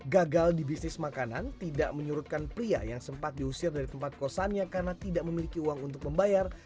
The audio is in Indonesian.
gagal di bisnis makanan tidak menyurutkan pria yang sempat diusir dari tempat kosannya karena tidak memiliki uang untuk membayar